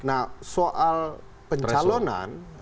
nah soal pencalonan